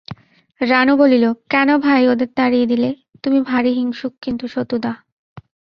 রানু বলিল, কেন ভাই ওদের তাড়িয়ে দিলে-তুমি ভারি হিংসুক কিন্তু সতুদা!